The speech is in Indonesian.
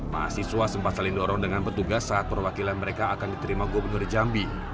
mahasiswa sempat saling dorong dengan petugas saat perwakilan mereka akan diterima gubernur jambi